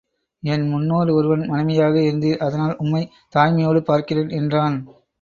என் முன்னோர் ஒருவன் மனைவியாக இருந்தீர் அதனால் உம்மைத் தாய்மையோடு பார்க்கிறேன் என்றான்.